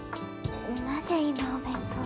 なぜ今お弁当。